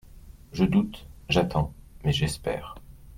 Je doute, j'attends, mais j'espère.